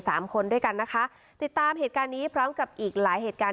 สามคนด้วยกันนะคะติดตามเหตุการณ์นี้พร้อมกับอีกหลายเหตุการณ์